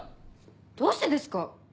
どうしてですか？